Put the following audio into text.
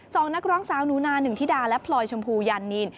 สองนักร้องสาวหนูนาหนึ่งธิดาและพลอยชมพูยันนิน